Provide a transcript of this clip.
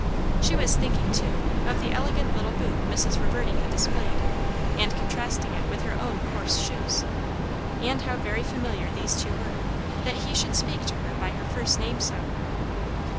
She was thinking, too, of the elegant little boot Mrs. Reverdy had displayed, and contrasting it with her own coarse shoes. And how very familiar these two were, that he should speak to her by her first name so!